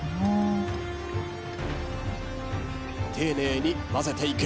丁寧に混ぜていく。